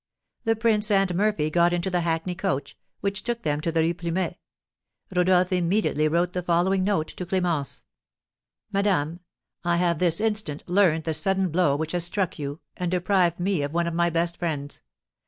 The prince and Murphy got into the hackney coach, which took them to the Rue Plumet. Rodolph immediately wrote the following note to Clémence: "MADAME: I have this instant learned the sudden blow which has struck you, and deprived me of one of my best friends.